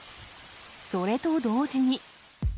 それと同時に。